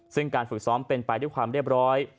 ซึ่งการฝึกซ้อมเป็นไปด้วยความเรียบร้อย